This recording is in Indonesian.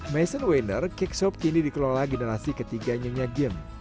maison weiner cake shop kini dikelola generasi ketiga nyengyagim